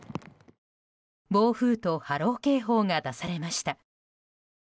暴風と波浪警報が出されました。